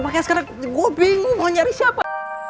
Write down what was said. makanya sekarang gue bingung mau nyari siapa